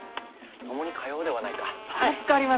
共に通おうではないか。